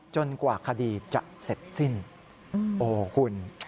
กว่าคดีจะเสร็จสิ้นโอ้โหคุณ